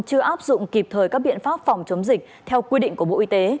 chưa áp dụng kịp thời các biện pháp phòng chống dịch theo quy định của bộ y tế